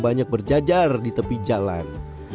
banyak berjajar di tepi jalan